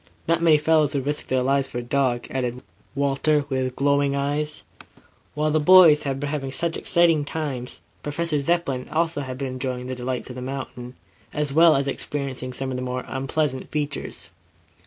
"Not many fellows would risk their lives for a dog," added Walter, with glowing eyes. While the boys had been having such exciting times, Professor Zepplin also had been enjoying the delights of the mountains, as well as experiencing some of their more unpleasant features.